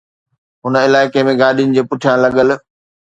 هن علائقي ۾ گاڏين جي پٺيان لڳل